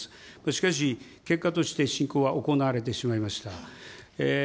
しかし、結果として侵攻は行われてしまいました。